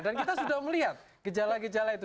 dan kita sudah melihat gejala gejala itu